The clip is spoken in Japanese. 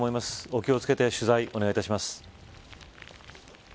お気を付けて取材、お願いします。